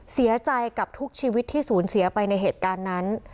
เสียใจกับทุกชีวิตที่สูญเสียไปในเหตุการณ์นั้น